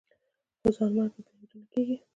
خو ځانمرګي بریدونه کېږي